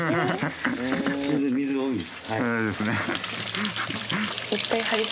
水が多いです。